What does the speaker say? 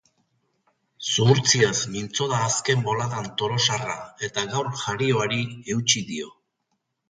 Zuhurtziaz mintzo da azken boladan tolosarra eta gaur jarioari eutsi dio.